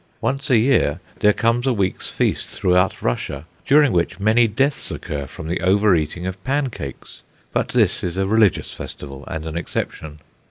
Once a year there comes a week's feast throughout Russia, during which many deaths occur from the over eating of pancakes; but this is a religious festival, and an exception.